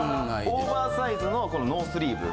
オーバーサイズのノースリーブ。